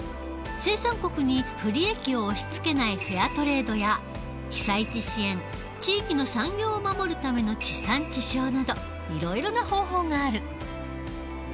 生産国に不利益を押しつけないフェアトレードや被災地支援地域の産業を守るための地産地消などいろいろな方法がある。